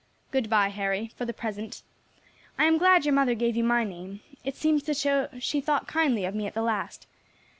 Good bye, Harry, for the present. I am glad your mother gave you my name; it seems to show she thought kindly of me at the last.